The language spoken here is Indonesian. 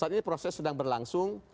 saat ini proses sedang berlangsung